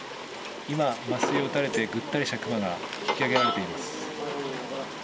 今、麻酔を打たれてぐったりしたクマが引き上げられています。